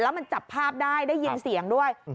แล้วมันจับภาพได้ได้ยินเสียงด้วย